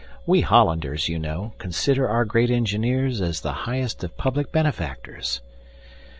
We Hollanders, you know, consider our great engineers as the highest of public benefactors.